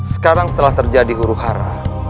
sekarang telah terjadi huru hara